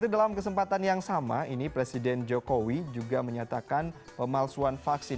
dalam kesempatan yang sama ini presiden jokowi juga menyatakan pemalsuan vaksin